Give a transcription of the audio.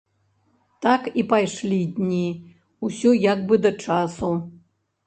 Так і пайшлі дні, усё як бы да часу.